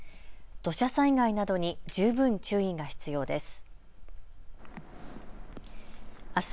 土砂災害などに十分注意が必要です。